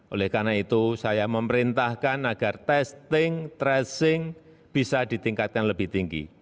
oleh karena itu saya memerintahkan agar testing tracing bisa ditingkatkan lebih tinggi